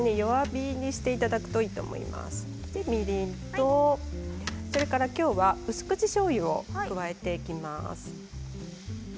みりんとそれから今日は薄口しょうゆを加えていきます。